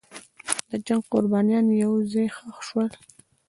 د جنګ قربانیان یو ځای ښخ شول.